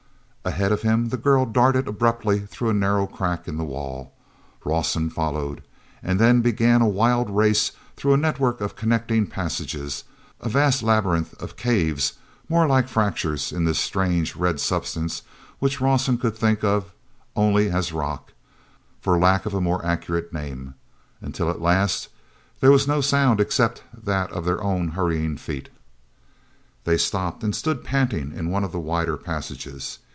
Ahead of him the girl darted abruptly through a narrow crack in the wall. Rawson followed—and then began a wild race through a network of connecting passages, a vast labyrinth of caves, more like fractures in this strange red substance which Rawson could think of only as rock, for lack of a more accurate name, until at last there was no sound except that of their own hurrying feet. hey stopped and stood panting in one of the wider passages.